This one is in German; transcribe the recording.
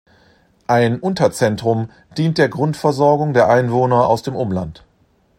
Ein Unterzentrum dient der Grundversorgung der Einwohner aus dem Umland.